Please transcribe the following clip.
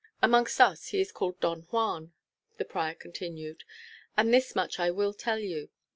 "Amongst us he is called Don Juan," the prior continued. "And this much I will tell you.